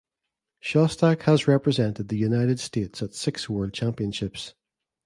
Shostak has represented the United States at six World Championships.